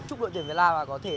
chúc đội tuyển việt nam có thể